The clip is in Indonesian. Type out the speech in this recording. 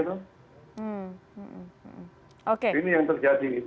ini yang terjadi